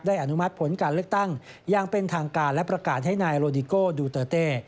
อนุมัติผลการเลือกตั้งอย่างเป็นทางการและประกาศให้นายโลดิโก้ดูเตอร์เต้